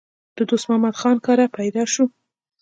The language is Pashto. د دوست محمد خان کره پېدا شو